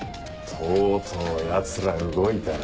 とうとうヤツら動いたな。